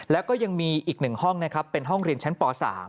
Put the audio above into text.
แล้วก็ยังมีอีก๑ห้องนะครับเป็นห้องเรียนชั้นป๓